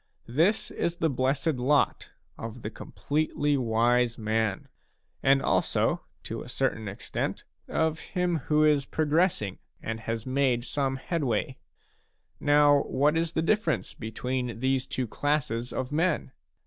This is the blessed lot of the completely wise man, and also, to a certain extent, of him who is progress ing and has made some headway. Now what is the difference between these two classes of men